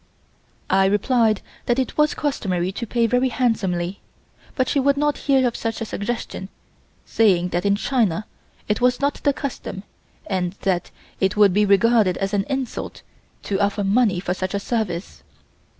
I replied that it was customary to pay very handsomely, but she would not hear of such a suggestion, saying that in China it was not the custom and that it would be regarded as an insult to offer money for such a service.